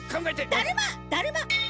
だるまだるま！